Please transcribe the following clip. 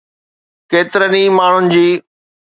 ڪيترن ئي ماڻهن جي